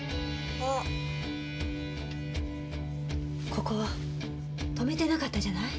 ここ留めてなかったじゃない。